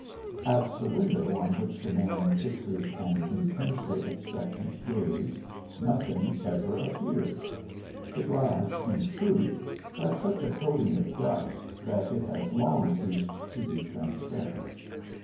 At the window on which the man fixes an intensely expectant gaze nothing ever appears; the glass, in truth, has such a coating of dust that it has long ceased to be transparent.